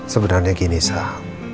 sebenarnya gini sah